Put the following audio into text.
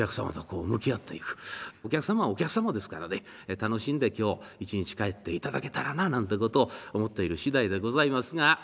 お客様はお客様ですからね楽しんで今日一日帰っていただけたらななんてことを思っている次第でございますが。